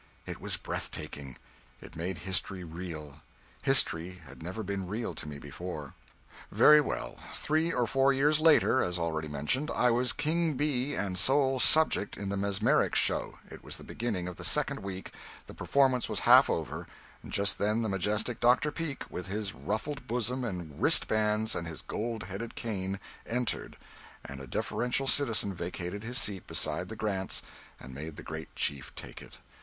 It was breath taking; it made history real; history had never been real to me before. Very well, three or four years later, as already mentioned, I was king bee and sole "subject" in the mesmeric show; it was the beginning of the second week; the performance was half over; just then the majestic Dr. Peake, with his ruffled bosom and wristbands and his gold headed cane, entered, and a deferential citizen vacated his seat beside the Grants and made the great chief take it.